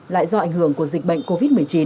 lại do ảnh hưởng của dịch bệnh covid một mươi chín